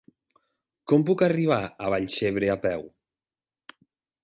Com puc arribar a Vallcebre a peu?